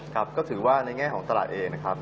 ครับก็ถือว่าในแง่ของตลาดเอง